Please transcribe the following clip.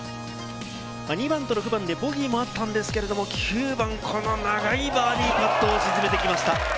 ２番と６番でボギーもあったんですけれど、９番、この長いバーディーパットを沈めてきました。